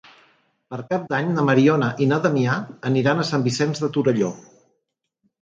Per Cap d'Any na Mariona i na Damià aniran a Sant Vicenç de Torelló.